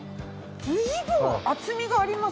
随分厚みがあります。